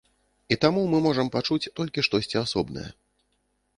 І таму мы можам пачуць толькі штосьці асобнае.